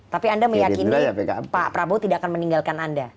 tapi anda meyakini pak prabowo tidak akan meninggalkan anda